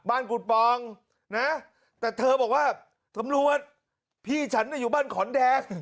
กุฎปองนะแต่เธอบอกว่าสำรวจพี่ฉันอยู่บ้านขอนแดง